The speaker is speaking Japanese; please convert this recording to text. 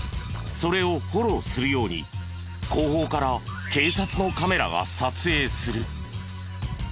それをフォローするように後方から警察のカメラが撮影する。